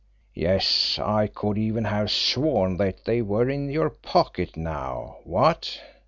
Yes; I could even have sworn that they were in your pocket now what?